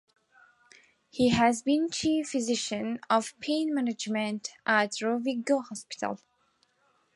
He has been chief physician of pain management at Rovigo Hospital.